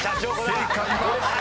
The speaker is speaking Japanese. ［正解は］